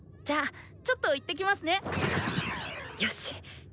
じゃあちょっと行ってきますね。